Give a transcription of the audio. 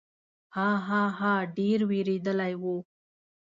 ها، ها، ها، ډېر وېرېدلی و.